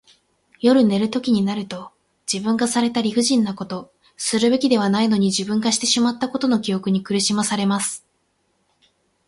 夜寝るときになると、自分がされた理不尽なこと、するべきではないのに自分がしてしまったことの記憶に苦しまされます。